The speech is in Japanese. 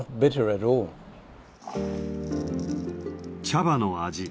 茶葉の味